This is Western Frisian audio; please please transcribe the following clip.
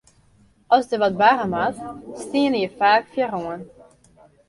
As der wat barre moat, steane je faak foaroan.